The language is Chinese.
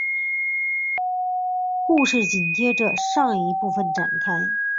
故事紧接着上一部展开。